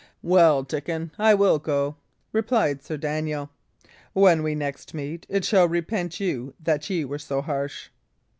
"Well, Dickon, I will go," replied Sir Daniel. "When we next meet, it shall repent you that ye were so harsh."